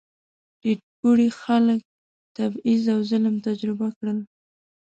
ټیټ پوړي خلک تبعیض او ظلم تجربه کړل.